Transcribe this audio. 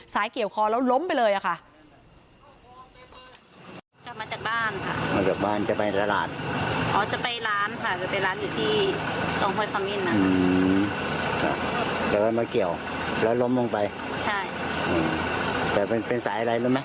สายเกี่ยวคอแล้วล้มไปเลยอ่ะค่ะ